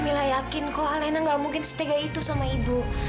mila yakin kok alena gak mungkin setega itu sama ibu